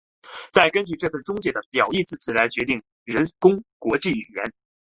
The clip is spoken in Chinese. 再根据这中介的表义字词来决定使用人工国际语言。